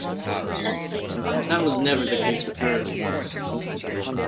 That was never the case with her.